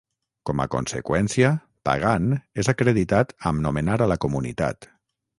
Com a conseqüència, Pagan és acreditat amb nomenar a la comunitat.